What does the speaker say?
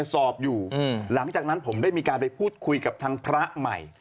สอบอยู่หลังจากนั้นผมได้มีการไปพูดคุยกับทางพระใหม่